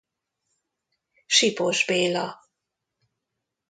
Sipos Béla.